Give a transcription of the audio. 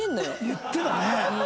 言ってたね。